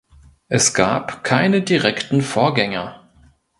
Es gab keine direkten Vorgänger.